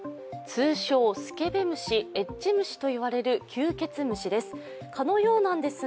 通称、スケベ虫、エッチ虫ともいわれる吸血虫なんです。